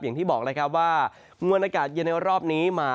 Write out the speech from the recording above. อย่างที่บอกแล้วครับว่ามวลอากาศเย็นในรอบนี้มา